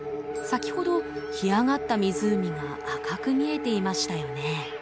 先ほど干上がった湖が赤く見えていましたよね。